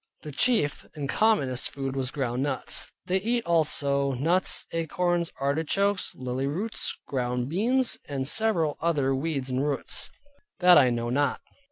The chief and commonest food was ground nuts. They eat also nuts and acorns, artichokes, lilly roots, ground beans, and several other weeds and roots, that I know not.